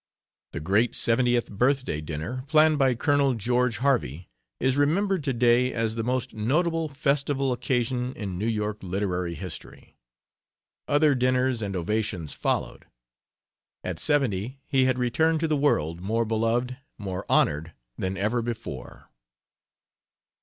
The great "Seventieth Birthday" dinner planned by Colonel George Harvey is remembered to day as the most notable festival occasion in New York literary history. Other dinners and ovations followed. At seventy he had returned to the world, more beloved, more honored than ever before.